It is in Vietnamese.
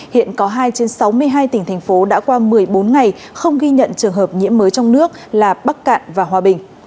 hiện có hai trên sáu mươi hai tỉnh thành phố đã qua một mươi bốn ngày không ghi nhận trường hợp nhiễm mới trong nước là bắc cạn và hòa bình